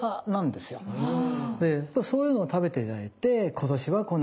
でそういうのを食べて頂いて今年はこのお米。